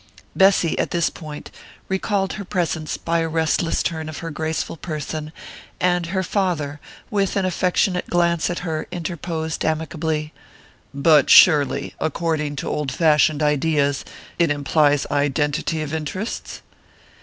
Bessy at this point recalled her presence by a restless turn of her graceful person, and her father, with an affectionate glance at her, interposed amicably: "But surely according to old fashioned ideas it implies identity of interests?"